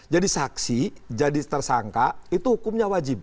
jadi saksi jadi tersangka itu hukumnya wajib